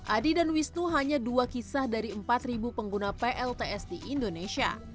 adi dan wisnu hanya dua kisah dari empat pengguna plts di indonesia